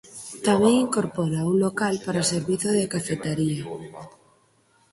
Tamén incorpora un local para servizo de cafetaría.